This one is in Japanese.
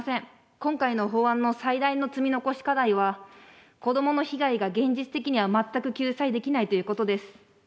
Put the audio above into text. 今回の法案の最大の積み残し課題は、子どもの被害が現実的には全く救済できないということです。